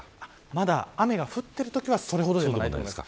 まだ雨が降っているときはそれほどでもないと思います。